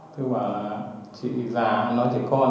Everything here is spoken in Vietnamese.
thứ bảo là chị già nói chị con